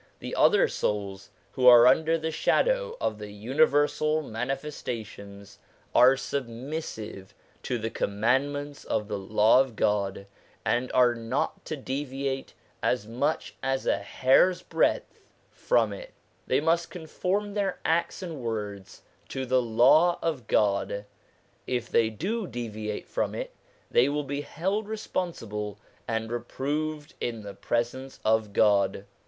The other souls who are under the shadow of the universal Manifestations, THE MANIFESTATIONS OF GOD 201 are submissive to the commandments of the Law of God, and are not to deviate as much as a hairsbreadth from it ; they must conform their acts and words to the Law of God. If they do deviate from it, they will be held responsible and reproved in the presence of God.